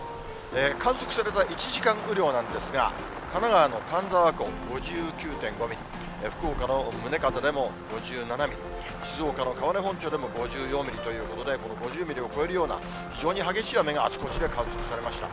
観測された１時間雨量なんですが、神奈川の丹沢湖、５９．５ミリ、福岡の宗像でも５７ミリ、静岡の川根本町でも５４ミリということで、この５０ミリを超えるような非常に激しい雨があちこちで観測されました。